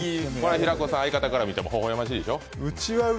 平子さん相方から見てもほほえましいでしょう。